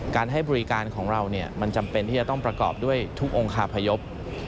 การให้บริการของเรามันจำเป็นที่จะต้องประกอบด้วยทุกองคาพยพ